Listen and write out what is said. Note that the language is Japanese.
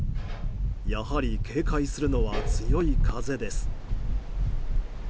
やはり警戒するのは強い風です。